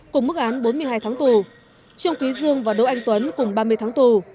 cùng mức án bốn mươi hai tháng tù trương quý dương và đỗ anh tuấn cùng ba mươi tháng tù